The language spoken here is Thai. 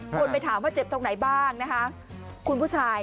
คนไปถามว่าเจ็บตรงไหนบ้างนะคะคุณผู้ชาย